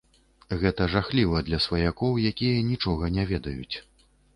Гэта жахліва для сваякоў, якія нічога не ведаюць.